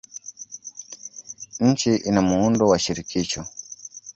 Nchi ina muundo wa shirikisho.